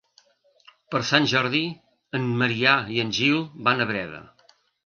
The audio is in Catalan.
Per Sant Jordi en Maria i en Gil van a Breda.